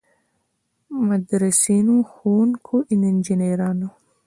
مدرسینو، ښوونکو، انجنیرانو.